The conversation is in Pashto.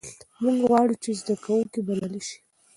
موږ غواړو چې زده کوونکي بریالي سي.